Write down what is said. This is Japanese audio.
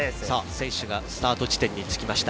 選手がスタート地点につきました。